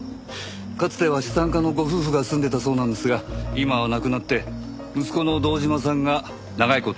かつては資産家のご夫婦が住んでいたそうなんですが今は亡くなって息子の堂島さんが長い事一人で暮らしています。